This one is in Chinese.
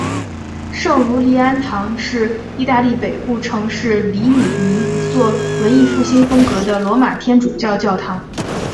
圣儒利安堂是意大利北部城市里米尼一座文艺复兴风格的罗马天主教教堂。